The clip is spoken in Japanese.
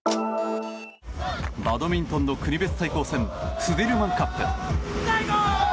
バドミントンの国別対抗戦スディルマンカップ。